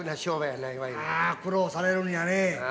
苦労されるんやね。